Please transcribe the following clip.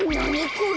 これ。